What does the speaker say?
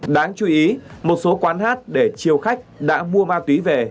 đáng chú ý một số quán hát để chiêu khách đã mua ma túy về